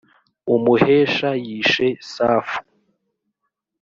umuhesha yishe safu